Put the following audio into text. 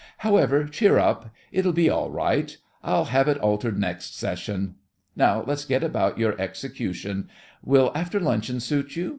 However, cheer up, it'll be all right. I'll have it altered next session. Now, let's see about your execution—will after luncheon suit you?